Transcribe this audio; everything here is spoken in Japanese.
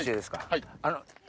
はい。